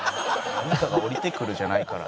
何かが降りてくるじゃないから。